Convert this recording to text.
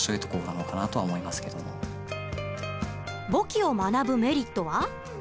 簿記を学ぶメリットは？